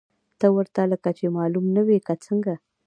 ته ورته لکه چې معلوم نه وې، که څنګه؟